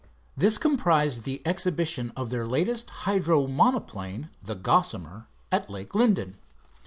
This comprised the exhibition of their latest hydro monoplane, the Gossamer, at Lake Linden.